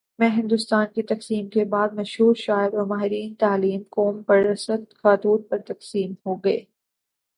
میں ہندوستان کی تقسیم کے بعد، مشہور شاعر اور ماہرین تعلیم قوم پرست خطوط پر تقسیم ہو گئے۔